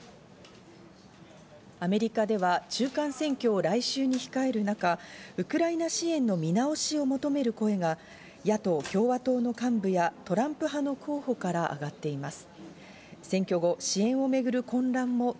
アメリカでは中間選挙を来週に控える中、ウクライナ支援の見直しを求める声が野党・共和党の幹部やトランプ派の候補から上がっています。